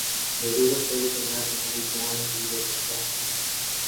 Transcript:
ضرورت پڑی تو میں تمہاری جان بھی لے سکتا ہوں